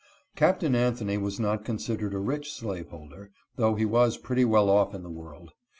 Captain Anthony was not considered a rich slave holder, though he was pretty well off in the world.